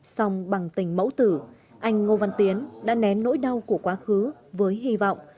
xong bằng tình mẫu tử anh ngô văn tiến đã nén nỗi đau của quá khứ với hy vọng